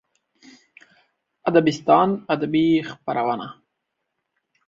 ادبستان ادبي خپرونه